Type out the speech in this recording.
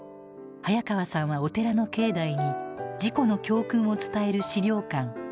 早川さんはお寺の境内に事故の教訓を伝える資料館